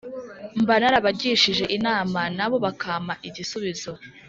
Mba narabagishije inama, na bo bakampa igisubizo!